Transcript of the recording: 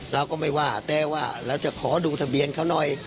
เราก็ไม่ว่าแต่ว่าเราจะขอดูทะเบียนเขาหน่อย